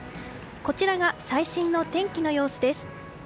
こちらが最新の天気の様子です。